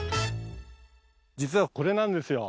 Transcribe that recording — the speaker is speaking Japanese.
実はこれなんですよ。